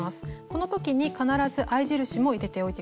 この時に必ず合い印も入れておいて下さい。